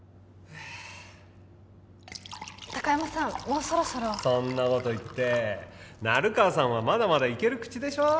もうそろそろそんなこと言って成川さんはまだまだいける口でしょ？